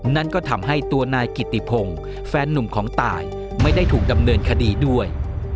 นั่นก็ทำให้ตัวนายกิติพงศ์แฟนนุ่มของตายไม่ได้ถูกดำเนินคดีด้วย